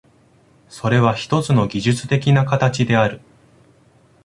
それはひとつの技術的な形である。